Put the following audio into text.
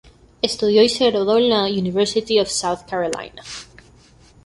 Estudió y se graduó en la University of South Carolina.